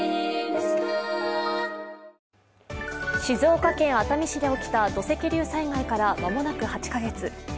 静岡県熱海市で起きた土石流災害から間もなく８カ月。